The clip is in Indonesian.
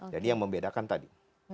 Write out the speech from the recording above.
jadi yang membedakan tadi